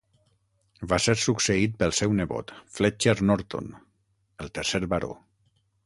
Va ser succeït pel seu nebot, Fletcher Norton, el tercer baró.